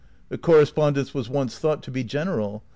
The correspondence was onoe thought to be general.